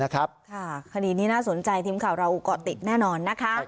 ค่ะคดีนี้น่าสนใจทีมข่าวเราก็ติดแน่นอน